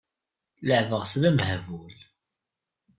Leεbeɣ-tt d amehbul.